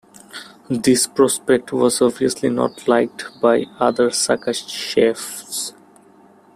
This prospect was obviously not liked by other Saka chiefs.